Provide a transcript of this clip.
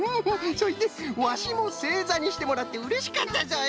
そいでワシもせいざにしてもらってうれしかったぞい！